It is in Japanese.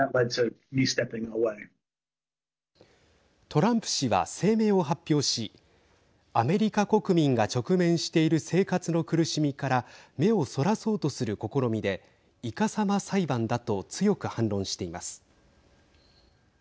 トランプ氏は声明を発表しアメリカ国民が直面している生活の苦しみから目をそらそうとする試みでいかさま裁判だと強く反論しています。